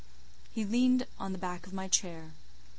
'" He leaned on the back of my chair.